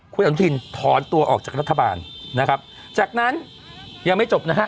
คุณอนุทินถอนตัวออกจากรัฐบาลนะครับจากนั้นยังไม่จบนะฮะ